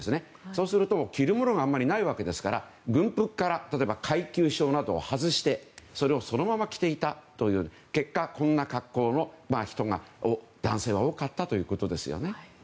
そうすると着るものがあまりないわけですから軍服から階級章などを外してそれをそのまま着ていたという結果、こんな格好の男性は多かったということですね。